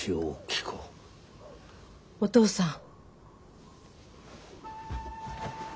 お義父さん。